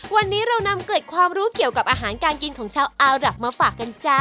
วันนี้เรานำเกิดความรู้เกี่ยวกับอาหารการกินของชาวอารับมาฝากกันจ้า